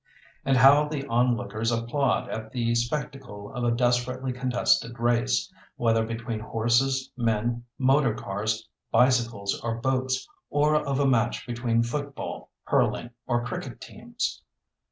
And how the onlookers applaud at the spectacle of a desperately contested race, whether between horses, men, motorcars, bicycles, or boats, or of a match between football, hurling, or cricket teams!